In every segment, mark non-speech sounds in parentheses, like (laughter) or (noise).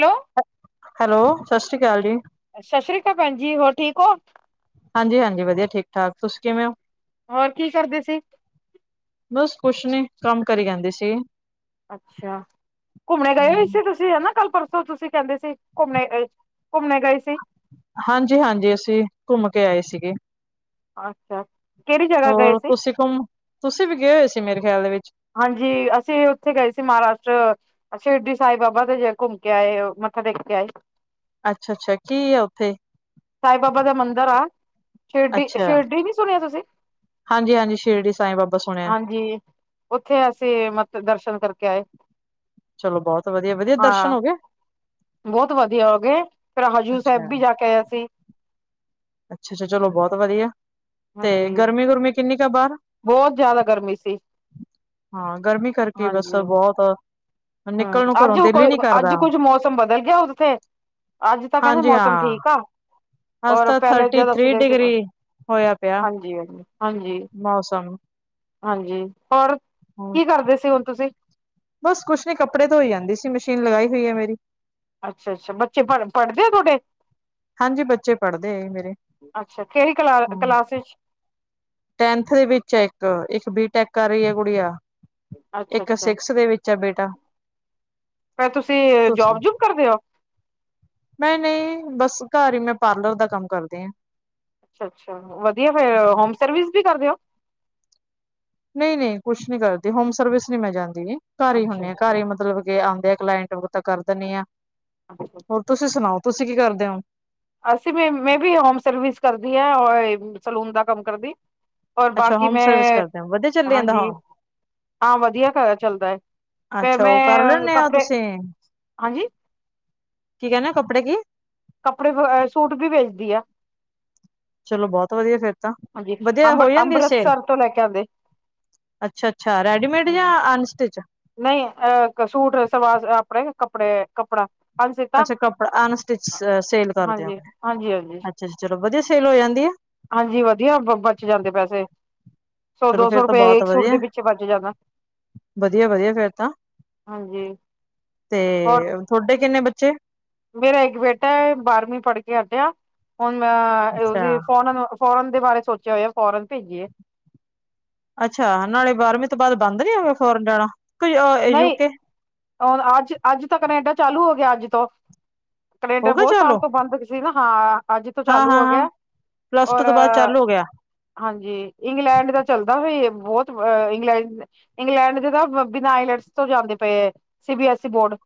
Hello. Hello, ਸਤਿ ਸ਼੍ਰੀ ਅਕਾਲ ਜੀ। ਸਤਿ ਸ਼੍ਰੀ ਅਕਾਲ, ਭੈਣ ਜੀ। ਹੋਰ ਠੀਕ ਹੋ? ਹਾਂਜੀ-ਹਾਂਜੀ, ਵਧੀਆ ਠੀਕ- ਠਾਕ। ਤੁਸੀਂ ਕਿਵੇਂ ਓ? ਹੋਰ, ਕੀ ਕਰਦੇ ਸੀ? ਬਸ, ਕੁਛ ਨੀ। ਕੰਮ ਕਰੀ ਜਾਂਦੀ ਸੀ ਅੱਛਾ, ਘੁੰਮਣੇ ਗਏ ਹੋਏ ਸੀ ਤੁਸੀਂ? ਚੀ ਹਨਾ, ਕੱਲ- ਪਰਸੋਂ ਤੁਸੀਂ ਕਹਿੰਦੇ ਸੀ। ਘੁੰਮਣੇ ਅ ਘੁੰਮਣੇ ਗਏ ਸੀ। ਹਾਂਜੀ-ਹਾਂਜੀ, ਅਸੀਂ, ਘੁੰਮ ਕੇ ਆਏ ਸੀਗੇ। ਅੱਛਾ। ਕਿਹੜੀ ਜਗ੍ਹਾ ਗਏ ਹੋਰ, ਸੀ? ਤੁਸੀਂ ਘੁੰਮ, ਤੁਸੀਂ ਵੀ ਹੋਏ ਹੋਏ ਸੀ, ਮੇਰੇ ਖਿਆਲ ਦੇ ਵਿੱਚ। ਹਾਂਜੀ। ਅਸੀਂ ਉੱਥੇ, ਗਏ ਸੀ, ਮਹਾਰਾਸ਼ਟਰ। ਅੱਛੀ ਸ਼ਿਰਡੀ ਸਾਹਿਬ ਬਾਬਾ ਦੇ, ਜ ਘੁੰਮ ਕੇ ਆਏ ਔ। ਮੱਥਾ ਟੇਕ ਕੇ ਆਏ ਔ ਅੱਛਾ- ਅੱਛਾ। ਕੀ ਆ ਉੱਥੇ? ਸਾਈ ਬਾਬਾ ਦਾ ਮੰਦਿਰ ਆ। ਸ਼ਿਰਡੀ, ਸ਼ਿਰਡੀ ਨੀ ਸੁਣਿਆ ਤੁਸੀਂ? ਹਾਂਜੀ- ਹਾਂਜੀ, ਸਿਰੜੀ, ਸਾਈ ਬਾਬਾ ਸੁਣਿਆ। ਜੀ। ਉੱਥੇ ਅਸੀਂ, ਮਤ ਦਰਸ਼ਨ, ਕਰਕੇ ਆਏ। ਚਲੋ, ਬਹੁਤ ਵਧੀਆ, ਵਧੀਆ ਦਰਸ਼ਨ ਹਾਂ। ਹੋਗੇ? ਬਹੁਤ ਵਧੀਆ ਹੋਗੇ। ਫੇਰ, ਹਜੂਰ ਸਾਹਿਬ ਅੱਛਾ ਵੀ, ਜਾ ਕੇ ਆਏ, ਅਸੀ। ਅੱਛਾ-ਛਾ-ਛਾ ਚਲੋ ਬਹੁਤ ਵਧੀਆ, ਤੇ ਹਾਂਜੀ। ਗਰਮੀ- ਗੁਰਮੀ ਕਿੰਨੀ ਕਾ ਬਾਹਰ? ਬਹੁਤ ਜਿਆਦਾ, ਗਰਮੀ ਸੀ। ਹਾਂ। ਗਰਮੀ ਕਰਕੇ, ਈ ਬਸ ਬਹੁਤ ਹਾਂ। ਨਿਕਲ ਨੂੰ ਘਰੋਂ ਅੱਜ ਦਿਲ ਹੀ ਕੋਏ, ਨੀ ਕਰਦਾ ਅੱਜ ਕੁੱਝ, ਮੌਸਮ ਬਦਲ ਗਿਆ, ਉੱਥੇ। ਅੱਜ ਤਾਂ, ਕਹਿੰਦੇ ਹਾਂਜੀ ਮੌਸਮ ਹਾਂ ਠੀਕ ਆ, ਅੱਜ ਔਰ, ਤਾਂ ਪਹਿਲਾਂ ਥਰਟੀ ਜਦ ਅਸੀ ਥ੍ਰਰੀ ਗਏ ਸੀ। ਡਿਗਰੀ ਹੋਇਆ ਪਿਆ ਹਾਂਜੀ-ਹਾਂਜੀ, ਹਾਂਜੀ। ਮੌਸਮ ਹਾਂਜੀ। ਹੋਰ, ਹੂੰ ਕੀ ਕਰਦੇ ਸੀ ਹੁਣ ਤੁਸੀਂ? ਬਸ ਕੁਛ ਨੀ, ਕੱਪੜੇ ਧੋਈ ਜਾਂਦੀ ਸੀ। ਮਸ਼ੀਨ ਲਗਾਈ ਹੋਈ ਆ ਮੇਰੀ। ਅੱਛਾ-ਅੱਛਾ, ਬੱਚੇ ਪੜ, ਪੜਦੇ ਆ ਤੁਹਡੇ? ਹਾਂਜੀ ਬੱਚੇ ਪੜ੍ਹਦੇ ਹੈ ਮੇਰੇ ਅੱਛਾ। ਕਿਹੜੀ ਕਲਾ, ਹੂੰ, ਕਲਾਸ ਵਿਚ? ਟੈਨਥ, ਦੇ ਵਿੱਚ ਆ ਇੱਕ। ਇੱਕ ਬੀਟੈਕ, ਕਰ ਰੀ ਆ ਗੁੜੀਆ। ਅੱਛਾ, ਇੱਕ ਅੱਛਾ ਸਿਕਸ, ਦੇ ਵਿੱਚ ਏ ਬੇਟਾ। ਫੇਰ ਤੁਸੀਂ, ਜੋਬ- ਜੁਬ ਕਰਦੇ ਓ। ਮੈਂ ਨਈ, ਬਸ ਘਰ ਈ, ਮੈਂ ਪਾਰਲਰ ਦਾ, ਕੰਮ ਕਰਦੀ ਆ। ਅੱਛਾ-ਅੱਛਾ, ਵਧੀਆ ਫੇਰ, ਹੋਮ ਸਰਵਿਸ ਵੀ ਕਰਦੇ ਓ? ਨਈ-ਨਈ, ਕੁਛ ਨੀ ਕਰਦੀ। ਹੋਮ ਸਰਵਿਸ ਨੀ ਮੈਂ ਜਾਂਦੀ। ਘਰ ਈ ਅੱਛਾ, ਹੁੰਨੀ ਆ। ਘਰ ਈ ਮਤਲਬ ਕਿ ਆਣਦੇ ਆ ਕਲਾਇੰਟ। ਹੋਰ ਤਾਂ ਕਰਦਾ ਨਹੀਂ ਆ। (inaudible) ਹੋਰ ਤੁਸੀਂ ਸੁਣਾਓ? ਤੁਸੀਂ ਕੀ ਕਰਦੇ ਓ? ਅਸੀਂ, ਮ ਮੈਂ ਵੀ, ਹੋਮ ਸਰਵਿਸ ਕਰਦੀ ਆ। ਅਹ ਸਲੂਨ ਦਾ, ਕੰਮ ਕਰਦੀ‌। ਔਰ ਅੱਛਾ ਬਾਕੀ ਹੋਮ ਸਰਵਿਸ ਮੈਂ, ਕਰਦੇ ਹੋ ਵਧੀਆ ਚੱਲੀ ਜਾਂਦਾ ਹਾਂਜੀ, ਹੋਮ ਹਾਂ ਵਧੀਆ ਘਰ ਚੱਲਦਾ ਐ। ਫੇਰ ਅੱਛਾ ਉਹ ਕਰ ਮੈਂ ਲੈਂਦੇ ਹੋ ਕੱਪੜੇ, ਤੁਸੀਂ ਹਾਂਜੀ। ਕੀ ਕਹਿਨੇ, ਓ ਕੱਪੜਾ ਕੀ? ਕੱਪੜੇ, ਅ ਸੂਟ ਵੀ, ਵੇਚਦੀ ਆ। ਚਲੋ ਬਹੁਤ ਵਧੀਆ, ਫਿਰ ਤਾਂ, ਹਾਂਜੀ ਵਧੀਆ ਅੰਬ ਹੋ ਜਾਂਦੀ ਆ ਸੇਲ? ਅੰਮ੍ਰਿਤਸਰ ਤੋਂ ਲੈ ਕੇ ਆਂਦੇ ਅੱਛਾ-ਅੱਛਾ, ਰੈਡੀਮੇਡ ਜਾਂ ਅਨਸਟਿਚ? ਨਹੀਂ ਅਹ ਇੱਕ ਸੂਟ ਸਵਾਰ ਆਪਣੇ ਕੱਪੜੇ ਕੱਪੜਾ ਪੰਜ ਸੀਤਾ ਅੱਛਾ ਕੱਪੜਾ ਅਨਸਟਿਚਸ ਅ ਸੇਲ ਕਰਦੇ ਓ, ਹਾਂਜੀ ਹਾਂਜੀ ਹਾਂਜੀ ਅੱਛਾ ਚਲੋ ਵਧੀਆ ਸੇਲ ਹੋ ਜਾਂਦੀ ਆ? ਹਾਂਜੀ ਵਧੀਆ ਬ ਬਚ ਜਾਂਦੇ ਪੈਸੇ, ਸੌ ਚਲੋ ਦੋ ਫੇਰ ਸੌ ਤਾਂ ਰੁਪਏ ਬਹੁਤ ਇੱਕ ਸੂਟ ਵਧੀਆ ਦੇ ਪਿੱਛੇ ਬਚ ਜਾਂਦਾ। ਵਧੀਆ-ਵਧੀਆ ਫਿਰ ਤਾਂ, ਹਾਂਜੀ ਤੇ ਹੋਰ ਤੁਹਡੇ ਕਿੰਨੇ ਬੱਚੇ? ਮੇਰਾ ਇੱਕ ਬੇਟਾ ਐ ਬਾਰਵੀਂ ਪੜ੍ਹ ਕੇ ਹੱਟਿਆ। ਹੁਣ ਮੈਂ ਉਹਦੀ ਅੱਛਾ-ਅੱਛਾ ਫੋਨ ਅ ਫੋਰਨ ਦੇ ਬਾਰੇ ਸੋਚਿਆ ਹੋਇਆ ਫੋਰਨ ਭੇਜੀਏ। ਅੱਛਾ ਨਾਲੇ ਬਾਰਵੀਂ ਤੋਂ ਬਾਅਦ ਬੰਦ ਨਹੀਂ ਹੋ ਗਏ ਫੋਰਨ ਜਾਣਾ ਕੁਝ ਅਹ ਨਹੀਂ ਯੂਕੇ? ਹੁਣ ਅੱਜ ਅੱਜ ਤਾਂ ਕਨੇਡਾ ਚਾਲੂ ਹੋ ਗਿਆ, ਅੱਜ ਤੋਂ ਹੋ ਕਨੇਡਾ ਗਿਆ ਬਹੁਤ ਚਾਲੂ ਸਾਲ ਤੋਂ ਬੰਦ ਹਾਂ, ਅੱਜ ਤੋਂ ਚਾਲੂ ਹੋ ਹਾਂ-ਹਾਂ-ਹਾਂ ਗਿਆ ਪਲੱਸ ਟੂ ਔਰ ਤੋਂ ਬਾਅਦ ਚਾਲੂ ਹੋ ਗਿਆ ਹਾਂਜੀ, ਇੰਗਲੈਂਡ ਦਾ ਚੱਲਦਾ ਵੀ ਬਹੁਤ ਇੰਗਲੈਂਡ ਇੰਗਲੈਂਡ ਦੇ ਤਾਂ ਬਿਨਾਂ ਆਈਲੈਟਸ ਤੋਂ ਜਾਂਦੇ ਪਏ C B S E board.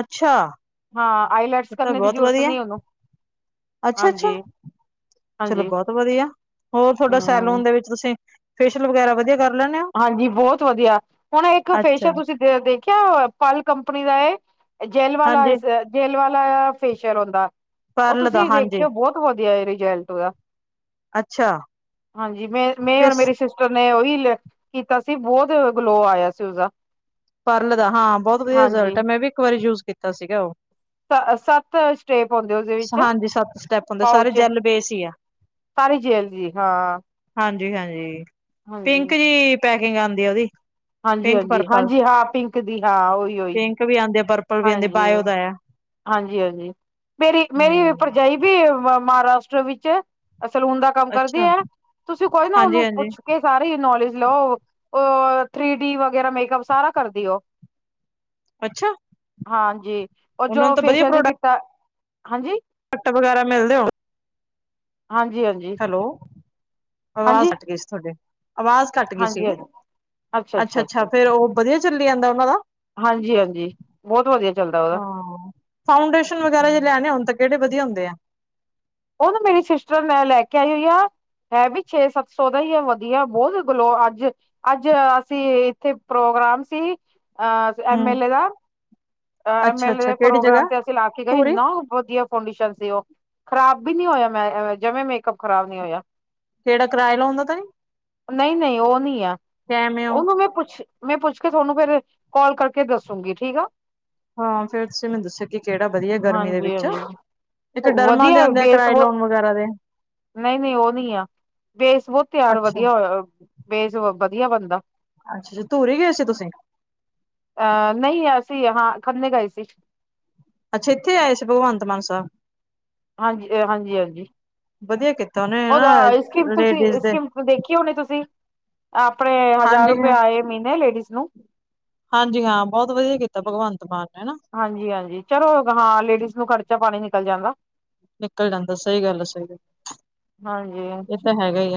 ਅੱਛਾ ਹਾਂ, ਆਈਲੈਟਸ ਫਿਰ ਕਰਨੇ ਦੀ ਜ਼ਰੂਰਤ ਨਹੀਂ ਉਹਨੂੰ। ਅੱਛਾ ਅੱਛਾ, ਹਾਂਜੀ ਚਲੋ ਹਾਂਜੀ ਬਹੁਤ ਵਧੀਆ, ਹੋਰ ਤੁਹਾਡਾ ਹਮ ਸੈਲੂਨ ਦੇ ਵਿੱਚ ਤੁਸੀਂ ਫੇਸ਼ੀਅਲ ਵਗੈਰਾ ਵਧੀਆ ਕਰ ਲੈਂਦੇ ਹੋ ਹਾਂਜੀ, ਬਹੁਤ ਵਧੀਆ, ਹੁਣ ਇੱਕ ਅੱਛਾ ਫੇਸ਼ੀਅਲ ਤੁਸੀਂ ਦੇ ਦੇਖਿਆ ਪਲ ਕੰਪਨੀ ਦਾ ਆਇਆ। ਜੇਲ ਵਾਲਾ ਹਾਂਜੀ ਜੇਲ ਵਾਲਾ ਫੇਸ਼ੀਅਲ ਆਉਂਦਾ। ਉਹ ਪਰਲ ਦਾ ਤੁਸੀਂ ਹਾਂਜੀ ਵੇਖਿਓ ਬਹੁਤ ਵਧੀਆ ਐ ਰਿਜਲਟ ਉਹਦਾ। ਅੱਛਾ ਹਾਂਜੀ ਮੈਂ ਮੈਂ ਔਰ ਕਿਸ ਮੇਰੀ ਸਿਸ ਨੇ ਉਹੀ ਕੀਤਾ ਸੀ, ਬਹੁਤ ਗਲੋ ਆਇਆ ਸੀ ਉਸਦਾ। ਪਾਰਲਰ ਦਾ, ਹਾਂ ਬਹੁਤ ਵਧੀਆ ਹਾਂਜੀ ਰਿਜਲਟ ਹੈ ਮੈਂ ਵੀ ਇੱਕ ਵਾਰੀ ਯੂਜ ਕੀਤਾ ਸੀਗਾ ਉਹ। ਸੱਤ ਸਟੇਪ ਆਉਂਦੇ ਉਹਦੇ ਵਿੱਚ ਹਾਂਜੀ ਸੱਤ ਸਟੈਪ ਹੁੰਦੇ ਸਾਰੇ ਪਾਉਚ। ਜੈਲ ਬੇਸ ਹੀ ਆ ਤਾਰੀ ਜੇਲ ਜੀ, ਹਾਂ। ਹਾਂਜੀ ਹਾਂਜੀ, ਹਾਂਜੀ ਪਿੰਕ ਜਿਹੀ ਪੈਕਿੰਗ ਆਉਂਦੀ ਆ ਉਹਦੀ। ਹਾਂਜੀ ਪਿੰਕ ਹਾਂਜੀ ਪਰਪਲ ਹਾਂਜੀ, ਹਾਂ, ਪਿੰਕ ਦੀ ਹਾਂ, ਉਹੀ। ਉਹੀ ਪਿੰਕ ਵੀ ਆਉਂਦੀ ਆ, ਪਰਪਲ ਵੀ ਆਉਂਦੀ ਹਾਂਜੀ ਬਾਇਓ ਦਾ ਆ। ਹਾਂਜੀ ਹਾਂਜੀ, ਮੇਰੀ ਮੇਰੀ ਹਮ ਭਰਜਾਈ ਵੀ ਮਹਾਰਾਸ਼ਟਰ ਵਿੱਚ ਸਲੂਨ ਦਾ ਕੰਮ ਕਰਦੀ ਅੱਛਾ ਐ ਨਾ। ਤੁਸੀਂ ਕੋਈ ਨਾ ਹਾਂਜੀ ਉਹਨੂੰ ਹਾਂਜੀ ਪੁੱਛ ਕੇ ਸਾਰੀ ਨੌਲੇਜ ਲਓ, ਉਹ ਥ੍ਰੀ ਡੀ ਵਗੈਰਾ ਮੇਕਅਪ ਸਾਰਾ ਕਰਦੀ ਉਹ। ਅੱਛਾ ਹਾਂਜੀ, ਔਰ ਉਹਨਾਂ ਨੂੰ ਜੋ ਤਾਂ ਫੇਸ਼ੀਅਲ ਦੀ ਕਿੱਟਾ ਹਾਂਜੀ। ਘੱਟ ਵਗੈਰਾ ਮਿਲਦੇ ਹੋ। ਹਾਂਜੀ ਹਾਂਜੀ। ਹੈਲੋ, ਆਵਾਜ਼ ਹਾਂਜੀ, ਕੱਟ ਗਈ ਸੀ ਤੁਹਾਡੀ, ਆਵਾਜ਼ ਕੱਟ ਗਈ ਹਾਂਜੀ, ਸੀਗੀ, ਹਾਂਜੀ, ਅੱਛਾ ਅੱਛਾ ਫੇਰ ਉਹ ਵਧੀਆ ਚੱਲੀ ਜਾਂਦਾ ਉਹਨਾਂ ਦਾ? ਹਾਂਜੀ ਹਾਂਜੀ। ਬਹੁਤ ਵਧੀਆ ਚੱਲਦਾ। ਉਹਦਾ। ਹਾਂ, ਫਾਊਂਡੇਸ਼ਨ ਵਗੈਰਾ ਜੇ ਲੈਣੇ ਹੋਣ ਤਾਂ ਕਿਹੜੇ ਵਧੀਆ ਹੁੰਦੇ ਆ। ਉਹਨੂੰ ਮੇਰੀ ਸਿਸਟਰ ਇਨ ਲਾ ਲੈ ਕੇ ਆਈ ਹੋਈ ਆ। ਹੈ ਵੀ ਛੇ ਸੱਤ ਸੌ ਦਾ ਹੀ ਹੈ, ਵਧੀਆ ਬਹੁਤ ਗਲੋ ਅੱਜ ਅੱਜ ਅਸੀਂ ਇੱਥੇ ਪ੍ਰੋਗਰਾਮ ਸੀ ਅ ਐਮ ਹਮ ਐਲ ਏ ਦਾ। ਐਮ ਐਲ ਏ ਅੱਛਾ-ਅੱਛਾ ਦੇ ਕਿਹੜੀ ਜਗ੍ਹਾ ਪ੍ਰੋਗਰਾਮ ਤੇ ਅਸੀਂ ਲਾ ਕੇ ਗਏ ਧੂਰੀ ਇੰਨਾ ਵਧੀਆ ਫਾਊਂਡੇਸ਼ਨ ਸੀ, ਉਹ ਖਰਾਬ ਵੀ ਨਹੀਂ ਹੋਇਆ ਮੈਂ ਜਿਵੇਂ ਮੇਕਅਪ ਖ਼ਰਾਬ ਨਹੀਂ ਹੋਇਆ। ਕਿਹੜਾ ਕਿਰਾਏ ਲਾਉਂਦਾ ਤਾਂ ਨੀ ਨਹੀਂ ਨਹੀਂ ਉਹ ਨਹੀਂ ਆ, ਕੈਮੇ ਓ ਉਹਨੂੰ ਮੈਂ ਪੁੱਛ ਮੈਂ ਪੁੱਛ ਕੇ ਤੁਹਾਨੂੰ ਫਿਰ ਕਾਲ ਕਰਕੇ ਦੱਸੂਗੀ, ਠੀਕ ਆ। ਹਾਂ, ਫੇਰ ਤੁਸੀਂ ਮੈਨੂੰ ਦੱਸਿਆ ਕਿ ਕਿਹੜਾ ਵਧੀਆ ਗਰਮੀ ਦੇ ਹਾਂਜੀ ਵਿੱਚ। ਹਾਂਜੀ ਇੱਕ ਡਰਮਾਂ ਦੇ ਵਧੀਆ ਆਉਂਦੇ ਆ, ਬੇਸ ਕਿਰਾਏ ਲੋਨ ਵਗੈਰਾ ਦੇ। ਨਹੀਂ ਨਹੀਂ ਉਹ ਨਹੀਂ ਆ, ਬੇਸ ਬਹੁਤ ਤਿਆਰ ਅੱਛਾ ਵਧੀਆ ਹੋਇਆ। ਬੇਸ ਵਧੀਆ ਬਣਦਾ। ਅੱਛਾ ਅੱਛਾ, ਧੂਰੀ ਗਏ ਸੀ ਤੁਸੀਂ? ਅਹ ਨਹੀਂ ਅਸੀਂ, ਹਾਂ ਖੰਨੇ ਗਏ ਸੀ। ਅੱਛਾ, ਇੱਥੇ ਆਏ ਸੀ ਭਗਵੰਤ ਮਾਨਸਾ। ਹਾਂਜੀ, ਹਾਂਜੀ, ਹਾਂਜੀ, ਵਧੀਆ ਕੀਤਾ ਉਹਨੇ ਨਾ ਉਹਦਾ ਇਸੀਮ ਤੁਸੀਂ ਲੇਡੀਜ਼ ਦੇ ਇਸੀਮ ਦੇਖੀ ਹੋਨੀ ਤੁਸੀਂ, ਆਪਣੇ ਹਜ਼ਾਰ ਹਾਂਜੀ ਰੁਪਏ ਹਾਂ ਆਏ ਮਹੀਨੇ ਲੇਡੀਜ਼ ਨੂੰ। ਹਾਂਜੀ ਹਾਂ, ਬਹੁਤ ਵਧੀਆ ਕੀਤਾ ਭਗਵੰਤ ਮਾਨ ਨੇ ਨਾ। ਹਾਂਜੀ-ਹਾਂਜੀ, ਚਲੋ ਹਾਂ ਲੇਡੀਜ਼ ਨੂੰ ਖਰਚਾ ਪਾਣੀ ਨਿਕਲ ਜਾਂਗਾ। ਨਿਕਲ ਜਾਂਦਾ, ਸਹੀ ਗੱਲ ਐ, ਸਹੀ ਗੱਲ। ਹਾਂਜੀ ਇਹ ਤਾਂ ਹੈਗਾ (unintelligible) ਹੀ ਆ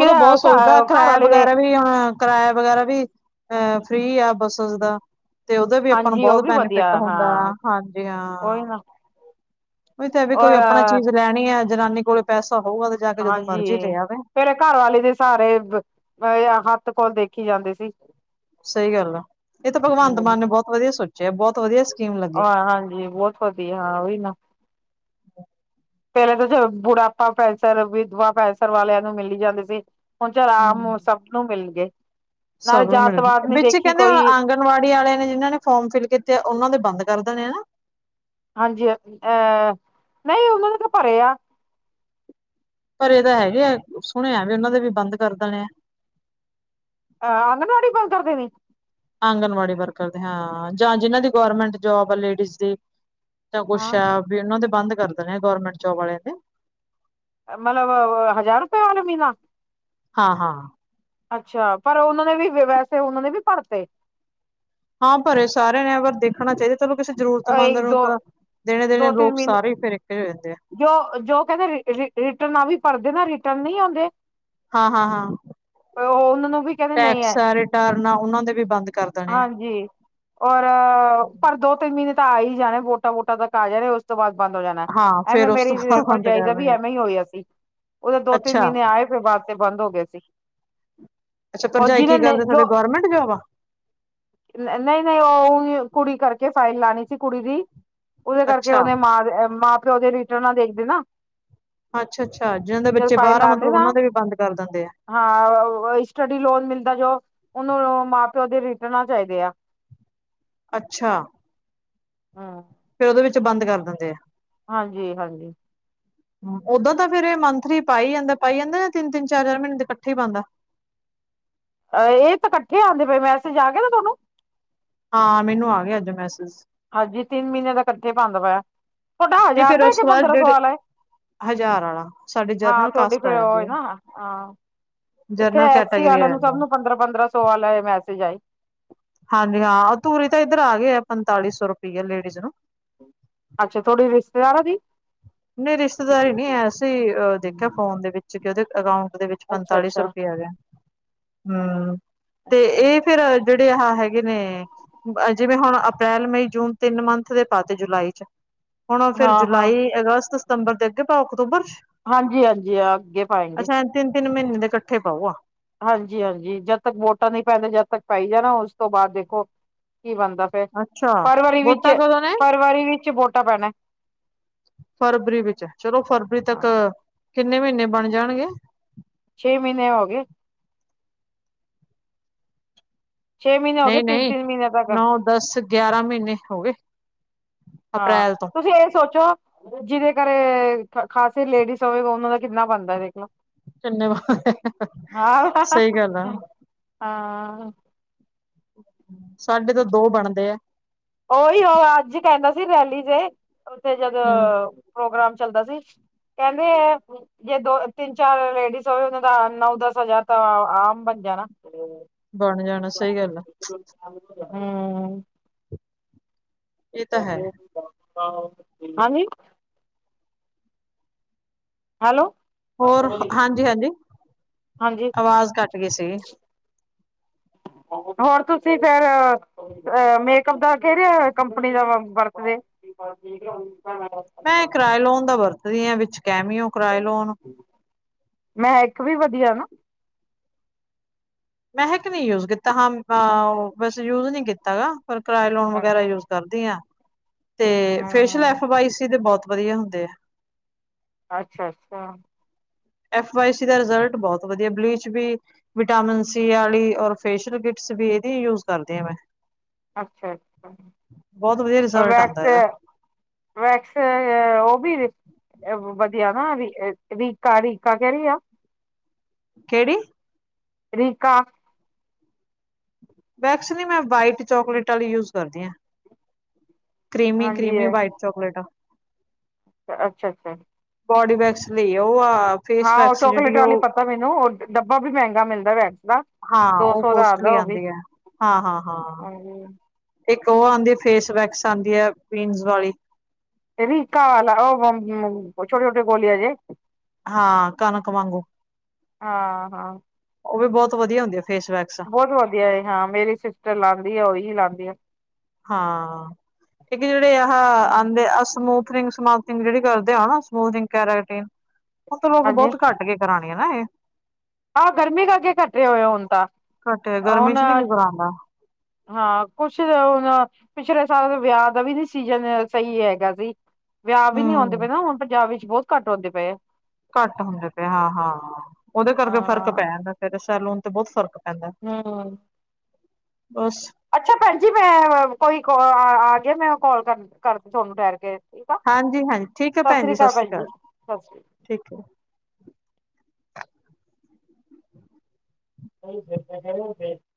ਉਹ ਤਾਂ ਬਹੁਤ ਸੋਚਦਾ, ਘਰ ਕਿਰਾਆ ਵਾਲੇ ਦੇ ਵਗੈਰਾ ਵੀ ਯਹਾਂ ਕਿਰਾਇਆ ਵਗੈਰਾ ਵੀ, ਅਹ ਫ੍ਰਰੀ ਐ ਬੱਸ ਚਲਦਾ ਤੇ ਉਹਦਾ ਵੀ ਆਪਾਂ ਹਾਂਜੀ ਉਹ ਬਹੁਤ ਵੀ ਵਧੀਆ ਬੈਨੀਫਿਟ ਹੁੰਦਾ ਹਾਂ ਆ, ਹਾਂਜੀ ਉਹੀ ਹਾਂ। ਨਾ ਉ ਤਾਂ ਵੀ ਕੋਈ ਔਰ ਆਪਣਾ ਚੀਜ਼ ਲੈਣੀ ਹੈ, ਜਨਾਨੀ ਕੋਲ ਪੈਸਾ ਹੋਊਗਾ ਤੇ ਜਾ ਕੇ ਜਦੋਂ ਹਾਂਜੀ ਮਰਜ਼ੀ ਲੈ ਆਵੇ। ਫੇਰ ਐ ਘਰਆਲੇ ਦੇ ਸਾਰੇ ਅਹ ਹੱਥ ਕੋ ਦੇਖੀ ਜਾਂਦੇ ਸੀ। ਸਹੀ ਗੱਲ ਆ, ਇਹ ਤਾਂ ਭਗਵੰਤ ਮਾਨ ਨੇ ਬੋਤ ਵਧੀਆ ਸੋਚਿਆ, ਬੋਤ ਵਧੀਆ ਸਕੀਮ ਲੱਗੀ ਆ ਹਾਂਜੀ ਬੋਤ ਵਧੀਆ ਓਈ ਨਾ। ਪਹਿਲੇ ਤਾਂ ਬੁਢਾਪਾ ਪੈਂਸਰ, ਵਿਧਵਾ ਪੈਂਸਰ ਵਾਲਿਆਂ ਨੂੰ ਮਿਲੀ ਜਾਂਦੀ ਸੀ। ਹੁਨ ਚੱਲ ਹਮ ਆਮ ਸਭ ਨੂੰ ਮਿਲ ਗਏ, ਨਾਲੇ ਜਾਤਵਾਤ ਨੀ ਦੇਖੀ ਕੋਈ। ਆਗਣਵਾੜੀ ਵਾਲੇ ਨੇ ਜਿਨ੍ਹਾਂ ਨੇ ਫੋਮ ਫਿਲ ਕੀਤੇ, ਉਹਨਾਂ ਦੇ ਬੰਦ ਕਰ ਦੇਣੇ ਨਾ। ਹਾਂਜੀ, ਅਹ ਨਹੀਂ ਉਹਨਾਂ ਦੇ ਤੇ ਪਰੇ ਆ। ਭਰੇ ਤੇ ਹੈਗੇ, ਸੁਣਿਆ ਵੀ ਉਹਨਾਂ ਦੇ ਵੀ ਬੰਦ ਕਰ ਦੇਣੇ ਐ। ਅਹ ਆਂਗਣਵਾੜੀ ਬੰਦ ਕਰ ਦੇਨੀ। ਆਂਗਨਵਾੜੀ ਵਰਕਰ ਦੇ ਹਾਂ, ਜਾਂ ਜਿਹਨਾਂ ਦੀ ਗੌਰਮੈਂਟ ਜੋਬ ਆ ਲੇਡੀਜ਼ ਦੀ। ਜਾਂ ਕੁਛ ਹਾਂ ਐ ਵੀ ਉਹਨਾਂ ਦੇ ਬੰਦ ਕਰ ਦੇਣੇ ਗੌਰਮੈਂਟ ਜੋਬ ਆਲਿਆਂ ਦੇ। ਮਤਲਬ ਹਜ਼ਾਰ ਰੁਪਏ ਵਾਲੇ ਮਹੀਨਾ। ਹਾਂ-ਹਾਂ। ਅੱਛਾ, ਪਰ ਉਹਨਾਂ ਨੇ ਵੀ ਵੈਸੇ ਉਹਨਾਂ ਨੇ ਵੀ ਭਰਤੇ। ਹਾਂ ਭਰੇ ਸਾਰੇ ਨੇ ਪਰ ਦੇਖਣਾ ਚਾਹੀਦਾ। ਚਲੋ ਕਿਸੇ ਜ਼ਰੂਰਤਮੰਦ ਇੱਕ ਨੂੰ ਦੋ ਤਾਂ ਦੇਣੇ-ਦੇਣੇ, ਦੋ ਤਿੰਨ ਲੋਕ ਮਹੀਨੇ ਸਾਰੇ ਹੀ ਫੇਰ ਇੱਕ ਜੇ ਹੋ ਜਾਂਦੇ ਐ। ਰਿਟਰਨਾ ਵੀ ਭਰਦੇ ਨਾ, ਰਿਟਰਨ ਨਹੀਂ ਆਉਂਦੇ। ਹਾਂ, ਹਾਂ, ਹਾਂ। ਓਹ ਉਹਨਾਂ ਨੂੰ ਵੀ ਕਹਿੰਦੇ ਨਹੀਂ ਟੈਕਸ ਹੈ ਆ, ਰਿਟਰਨ ਆ ਉਹਨਾਂ ਦੇ ਵੀ ਬੰਦ ਕਰ ਦੇਣੇ ਐ। ਜੀ। ਔਰ ਪਰ ਦੋ ਤਿੰਨ ਮਹੀਨੇ ਤਾਂ ਆ ਹੀ ਜਾਣੇ, ਵੋਟਾਂ ਵੋਟਾਂ ਤੱਕ ਆ ਜਾਣੇ। ਓਸ ਤੋਂ ਬਾਅਦ ਬੰਦ ਹੋ ਜਾਨਾ ਹਾਂ ਐ, ਫੇਰ ਐਵੇਂ ਉਸ ਤੋਂ ਮੇਰੀ ਬਾਅਦ ਬੰਦ ਭਰਜਾਈ ਦਾ ਵੀ ਕਰਨਗੇ ਐਵੇਂ ਈ ਹੋਇਆ ਸੀ। ਉਹਦੇ ਦੋ ਤਿੰਨ ਅੱਛਾ ਮਹੀਨੇ ਆਏ, ਫਿਰ ਬਾਦ ਚ ਬੰਦ ਹੋ ਗਏ ਸੀ। ਅੱਛਾ, ਭਰਜਾਈ ਕੀ ਕਰਦੇ ਤੁਹਾਡੇ ਗੌਰਰਮੈਂਟ ਜੋਬ ਆ? ਨਹੀਂ-ਨਹੀਂ, ਓ ਓਇਓ ਕੁੜੀ ਕਰਕੇ ਫਾਈਲ ਲਾਨੀ ਸੀ ਕੁੜੀ ਦੀ। ਉਹਦੇ ਕਰਕੇ ਅੱਛਾ ਉਹਨੇ ਮਾਂ, ਮਾਂ-ਪਿਓ ਦੇ ਰਿਟਰਨਾਂ ਦੇਖਦੇ ਨਾ। ਅੱਛਾ-ਅੱਛਾ ਜਿਹਨਾਂ ਦੇ ਜਦ ਬੱਚੇ ਫਾਈਲ ਬਾਰ ਆ ਲਾਂਦੇ ਮਤਲਬ ਨਾ ਉਹਨਾਂ ਦੇ ਵੀ ਬੰਦ ਕਰ ਦੇਂਦੇ ਐ। ਹਾਂ ਸਟੱਡੀ ਲੋਨ ਮਿਲਦਾ ਜੋ, ਉਹਨੂੰ ਮਾਂ-ਪਿਓ ਦੇ ਰਿਟਰਨਾਂ ਚਾਹੀਦੇ ਆ। ਅੱਛਾ ਹਾਂ ਫੇਰ ਉਹਦੇ ਵਿੱਚ ਬੰਦ ਕਰ ਦਿੰਦੇ ਆ ਹਾਂਜੀ-ਹਾਂਜੀ। ਓਦਾਂ ਤਾਂ ਫੇਰ ਏ ਮੰਥਲੀ ਪਾਈ ਜਾਂਦਾ, ਪਾਈ ਜਾਂਦਾ ਤਿੰਨ-ਤਿੰਨ, ਚਾਰ-ਚਾਰ ਮਹੀਨੇ ਦੇ ਇਕੱਠੇ ਹੀ ਪਾਂਦਾ। ਅਹ ਇਹ ਤਾਂ ਇਕੱਠੇ ਆਂਦੇ ਪਏ, ਮੈਸੇਜ ਆ ਗਯਾ ਨਾ ਤੁਹਾਨੂੰ? ਹਾਂ ਮੈਨੂੰ ਆ ਗਿਆ ਅੱਜ ਮੈਸਜ਼। ਹਾਂਜੀ ਤਿੰਨ ਮਹੀਨੇ ਦਾ ਇਕੱਠੇ ਪਾਂਦਾ ਪਇਆ, ਬਟ ਨਹੀਂ ਹਜ਼ਾਰ ਫੇਰ ਦਾ ਉਸ ਕੇ ਤੋਂ ਬਾਅਦ ਪੰਦਰਾਂ ਸੌ ਜਿਹੜੇ ਆਲਾ ਐ। ਹਜ਼ਾਰ ਆਲਾ ਸਾਡੇ ਹਾਂ ਜਰਨਲ ਤੁਹਾਡੀ ਕਾਸਟ ਆ ਫੇਰ ਜਾਂਦੀ ਓਈ ਹੈ ਨਾ ਹਾਂ। ਇੱਥੇ ਜਰਨਲ ਐਸੀ ਕੈਟਾਗਰੀ ਆ ਵਾਲਿਆਂ ਨੂੰ, ਜਾਂਦੀ ਹੈ ਸਭ ਨੂੰ ਪੰਦਰਾਂ-ਪੰਦਰਾਂ ਸੌ ਵਾਲਾ ਮੈਸੇਜ ਆਈ। ਹਾਂਜੀ ਹਾਂ ਅ ਓਰੀ ਤਾਂ ਇੱਧਰ ਆ ਗਏ ਆ ਪੰਤਾਲੀ ਸੌ ਰੁਪਈਏ ਲੇਡੀਜ਼ ਨੂੰ। ਅੱਛਾ ਤੁਹਾਡੀ ਰਿਸ਼ਤੇਦਾਰਾਂ ਦੀ। ਨਹੀਂ ਰਿਸ਼ਤੇਦਾਰੀ ਨਹੀਂ ਹੈ ਅਸੀਂ ਦੇਖਿਆ ਫੋਨ ਦੇ ਵਿੱਚ ਕਿ ਉਹਦੇ ਅਕਾਊਂਟ ਦੇ ਵਿੱਚ ਅੱਛਾ ਪੰਤਾਲੀ ਸੌ ਅੱਛਾ ਰੁਪਇਆ ਗਿਆ ਹਮ ਤੇ ਅੱਛਾ ਇਹ ਫਿਰ ਜਿਹੜੇ ਆਹ ਹੈਗੇ ਨੇ ਜਿਵੇਂ ਹੁਣ ਅਪ੍ਰੈਲ ਮਈ ਜੂਨ ਤਿੰਨ ਮੰਥ ਦੇ ਪਾਤੇ ਜੁਲਾਈ ਚ ਹੁਣ ਫੇਰ ਹਾਂ ਹਾਂ ਜੁਲਾਈ ਅਗਸਤ, ਸਤੰਬਰ ਦੇ ਅੱਗੇ ਪਾਓ ਅਕਤੂਬਰ ਚ ਹਾਂਜੀ ਹਾਂਜੀ ਆ ਅੱਗੇ ਪਾਏਗੇ ਅੱਛਾ ਤਿੰਨ ਤਿੰਨ ਮਹੀਨੇ ਦੇ ਇਕੱਠੇ ਪਾਊ ਆ ਹਾਂਜੀ ਹਾਂਜੀ ਜਦ ਤੱਕ ਵੋਟਾਂ ਨਹੀਂ ਪੈਂਦੇ ਜਦ ਤੱਕ ਪਾਈ ਜਾਣਾ ਉਸ ਤੋਂ ਬਾਅਦ ਦੇਖੋ ਕੀ ਬਣਦਾ, ਫ ਅੱਛਾ ਫਰਵਰੀ ਵਿੱਚ ਵੋਟਾਂ ਕਦੋਂ ਨੇ ਫਰਵਰੀ ਵਿੱਚ ਵੋਟਾਂ ਪੈਣਾ ਫਰਵਰੀ ਵਿੱਚ ਚਲੋ ਫਰਵਰੀ ਤੱਕ ਕਿੰਨੇ ਮਹੀਨੇ ਬਣ ਜਾਣਗੇ ਛੇ ਮਹੀਨੇ ਹੋਗੇ, ਛੇ ਮਹੀਨੇ ਹੋ ਗਏ ਨਹੀਂ ਤਿੰਨ ਨਹੀਂ ਤਿੰਨ ਮਹੀਨੇ ਤੱਕ, ਨੌ ਦਸ ਗਿਆਰਾਂ ਮਹੀਨੇ ਹੋ ਗਏ ਹਾਂ ਅਪ੍ਰੈਲ ਤੋਂ ਤੁਸੀਂ ਇਹ ਸੋਚੋ ਜਿਹਦੇ ਘਰੇ ਖਾਸੀ ਲੇਡੀਜ਼ ਹੋਵੇਗਾ ਉਹਨਾ ਦਾ ਕਿੰਨਾ ਬਣਦਾ ਦੇਖਲੋ ਕਿੰਨੇ ਆਹ ਸਹੀ ਗੱਲ ਆ ਹਾਂ ਸਾਡੇ ਤਾਂ ਦੋ ਬਣਦੇ ਆ ਉਹੀ ਉਹ ਅੱਜ ਕਹਿੰਦਾ ਸੀ ਰੈਲੀ ਜ ਉਥੇ ਜਦੋਂ ਹਮ ਪ੍ਰੋਗਰਾਮ ਚੱਲਦਾ ਸੀ! ਕਹਿੰਦੇ ਜੇ ਦੋ ਤਿੰਨ ਚਾਰ ਲੇਡੀਜ਼ ਹੋਵੇ ਉਹਨਾਂ ਦਾ ਨੌ ਦਸ ਹਜ਼ਾਰ ਤਾਂ ਆਮ ਬਣ ਜਾਣਾ, ਬਣ ਜਾਣਾ ਸਹੀ ਗੱਲ ਆ ਹਮ ਇਹ ਤਾਂ ਹੈ ਹਾਂਜੀ ਹੈਲੋ ਹੋਰ ਹਾਂਜੀ ਹਾਂਜੀ ਹਾਂਜੀ ਆਵਾਜ਼ ਘੱਟ ਗਈ ਸੀਗੀ ਹੋਰ ਤੁਸੀਂ ਫੇਰ ਅ ਮੇਕਅਪ ਦਾ ਕਿਹੜੇ ਕੰਪਨੀ ਦਾ ਵਰਤਦੇ ਮੈਂ ਕਰਾਇਲੋਨ ਦਾ ਵਰਤਦੀ ਆ ਵਿੱਚ ਕੈਮੀਓ ਕਰਾਇਲੋਨ ਮੈਂ ਇੱਕ ਵੀ ਵਧੀਆ ਨਾ ਮੈਂ ਕਿਹਾ ਨਹੀਂ ਯੂਜ ਕੀਤਾ ਹਾਂ ਬਸ ਯੂਜ ਨਹੀਂ ਕੀਤਾ ਗ ਪਰ ਕਿਰਾਏ ਲੋਨ ਵਗੈਰਾ ਯੂਜ ਕਰਦੀ ਹਾਂ ਤੇ ਫੇਸ਼ਅਲ ਹੂੰ ਐਫ ਵਾਈ ਸੀ ਤੇ ਬਹੁਤ ਵਧੀਆ ਹੁੰਦੇ ਆ। ਅੱਛਾ ਅੱਛਾ। ਐਫ ਵੀ ਸੀ ਦਾ ਰਿਜ਼ਲਟ ਬਹੁਤ ਵਧੀਆ ਬਲੀਚ ਵੀ, ਵਿਟਾਮਿਨ ਸੀ ਵਾਲੀ ਔਰ ਫੇਸ਼ਅਲ ਕਿਟਸ ਵੀ ਇਹਦੀ ਯੂਜ ਕਰਦੀ ਆ ਮੈਂ ਅੱਛਾ ਬਹੁਤ ਵਧੀਆ ਅੱਛਾ ਰਿਜ਼ਲਟ ਆਉਂਦਾ ਵੈਕਸ ਇਹਦਾ ਵੈਕਸ ਉਹ ਵੀ ਵਧੀਆ ਨਾ ਰੀਕਾ ਰੀਕਾ ਕਹਿ ਰਹੀ ਆ ਕਿਹੜੀ ਰੀਕਾ ਵੈਕਸ ਨ ਮੈਂ ਵਾਈਟ ਚੋਕਲੇਟ ਵਾਲੀ ਯੂਜ ਕਰਦੀ ਹਾਂ। ਕ੍ਰੀਮੀ- ਹਾਂਜੀ ਕ੍ਰੀਮੀ ਵਾਈਟ ਚੌਕਲੇਟ ਆ ਅੱਛਾ-ਅੱਛਾ ਬੋਡੀ ਵੈਕਸ ਲਈ ਉਹ ਆ ਫੇਸ ਹਾਂ ਉਹ ਵੈਕਸ ਚੋਕਲੇਟ ਜਿਹੜੀ ਵਾਲੀ ਉਹ ਪਤਾ ਮੈਨੂੰ ਉਹ ਡੱਬਾ ਵੀ ਮਹਿੰਗਾ ਮਿਲਦਾ ਵੈਕਸ ਦਾ ਹਾਂ ਦੋ ਉਹ ਸੌ ਦਾ ਕੋਸਟਲੀ ਆਉਂਦਾ ਉਹ ਵੀ ਆਉਂਦੀ ਹੈ ਹਾਂ ਹਾਂ ਹਾਂ ਹਾਂਜੀ ਇੱਕ ਉਹ ਆਉਂਦੀ ਫੇਸ ਵੈਕਸ ਆਉਂਦੀ ਹੈ ਪੀਨਸ ਵਾਲੀ ਰੀਕਾ ਵਾਲਾ ਉਹ ਛੋਟੇ ਛੋਟੇ ਗੋਲੀਆਂ ਜੇ ਹਾਂ ਕਣਕ ਵਾਂਗੂ ਹਾਂ ਹਾਂ ਉਹ ਵੀ ਬਹੁਤ ਵਧੀਆ ਹੁੰਦੀ ਆ ਫੇਸ ਵੈਕਸ ਬਹੁਤ ਵਧੀਆ ਏ ਹਾਂ ਮੇਰੀ ਸਿਸਟਰ ਲਾਉਂਦੀ ਆ ਉਹੀ ਲਾਉਂਦੀ ਆ ਹਾਂ, ਇੱਕ ਜਿਹੜੇ ਆ ਆਹਂਦੇ ਅਸੂਥਨਿੰਗ ਸਮ ਜਿਹੜੀ ਕਰਦੇ ਆ ਨਾ ਸਮੂਥਿੰਗ ਕੈਰਾਟੀਨ ਉਹ ਤਾਂ ਲੋਕ ਹਾਂਜੀ ਬਹੁਤ ਘੱਟ ਕੇ ਕਰਾਣੀ ਹੈ ਨਾ ਇਹ ਆਹ ਗਰਮੀ ਕਰਕੇ ਘਟੇ ਹੋਏ ਹੁਣ ਤਾਂ ਘੱਟੇ ਗਰਮੀ ਹੁਣ ਚ ਨੀ ਕੀ ਕਰਾਂਦਾ ਹਾਂ ਕੁਛ ਹੁਣ ਪਿਛਲੇ ਸਾਲ ਵਿਆਹ ਦਾ ਵੀ ਨੀ ਸੀਜਨ ਸਹੀ ਹੈਗਾ ਸੀ ਵਿਆਹ ਵੀ ਨਹੀ ਆਉਂਦੇ ਹੂੰ ਪਏ ਨਾ ਹੁਣ ਪੰਜਾਬ ਵਿੱਚ ਬਹੁਤ ਘੱਟ ਆਉਂਦੇ ਪਏ ਆ ਘੱਟ ਹੁੰਦੇ ਪਏ ਹਾਂ ਹਾਂ ਉਹਦੇ ਕਰਕੇ ਫ਼ਰਕ ਹਾਂ ਪੈ ਜਾਂਦਾ ਫਿਰ ਸ਼ੈਲੂਨ ਤੇ ਬਹੁਤ ਫ਼ਰਕ ਪੈਂਦਾ ਹਮ ਬਸ ਅੱਛਾ ਭੈਣ ਜੀ ਮੈਂ ਕੋਈ ਕੋ ਆ ਗਿਆ ਮੈਂ ਕੋਲ ਕਰ ਕਰ ਤੁਹਾਨੂੰ ਠਹਿਰ ਕੇ ਠੀਕ ਆ। ਹਾਂਜੀ- ਹਾਂਜੀ ਠੀਕ ਹੈ ਭੈਣ ਜੀ ਸ੍ਰੀ ਸਤਿ ਸ਼੍ਰੀ ਭਾਜੀ ਅਕਾਲ, ਸਤਿ ਠੀਕ ਹੈ। (inaudible) (inaudible)